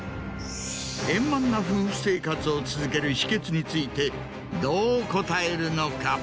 円満な夫婦生活を続ける秘訣についてどう答えるのか？